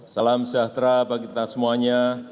salam sejahtera bagi kita semuanya